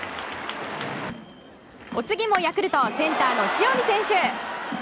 お次もヤクルトセンターの塩見選手。